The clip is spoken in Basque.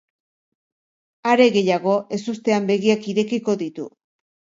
Are gehiago, ezustean begiak irekiko ditu.